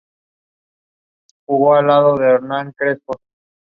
Precipitation runoff from Goat Island Mountain drains into the White River.